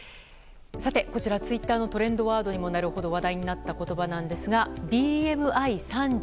こちら、ツイッターのトレンドワードにもなるほど話題になった言葉なんですがＢＭＩ３０。